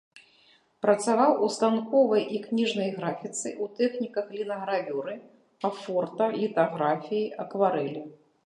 Працаваў у станковай і кніжнай графіцы, у тэхніках лінагравюры, афорта, літаграфіі, акварэлі.